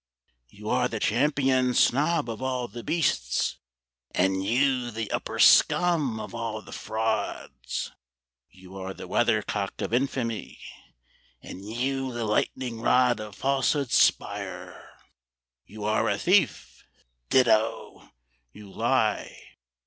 "You are the champion snob of all the beasts!" "And you the upper scum of all the frauds." "You are the weathercock of infamy." "And you the lightning rod of falsehood's spire." "You are a thief!" "Ditto." "You lie."